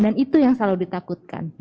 dan itu yang selalu ditakutkan